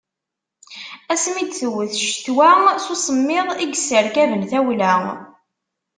Asmi i d-tewweḍ ccetwa, s usemmiḍ i yesserkaben tawla.